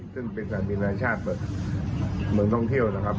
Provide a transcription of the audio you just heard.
ซึ่งเป็นสนามบินนาชาติเปิดเมืองท่องเที่ยวนะครับ